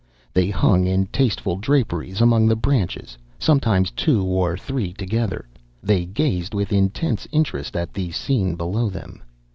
They hung in tasteful draperies among the branches, sometimes two or three together. They gazed with intense interest at the scene below them.